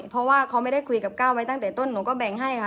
เพราะว่าเขาไม่ได้คุยกับก้าวไว้ตั้งแต่ต้นหนูก็แบ่งให้ค่ะ